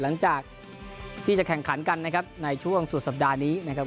หลังจากที่จะแข่งขันกันนะครับในช่วงสุดสัปดาห์นี้นะครับ